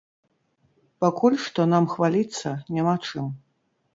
Пакуль што нам хваліцца няма чым.